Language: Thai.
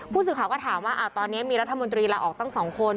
ผู้สื่อข่าวก็ถามว่าตอนนี้มีรัฐมนตรีลาออกตั้ง๒คน